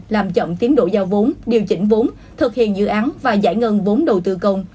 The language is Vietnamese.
làm chậm tiến độ giao vốn điều chỉnh vốn thực hiện dự án và giải ngân vốn đầu tư công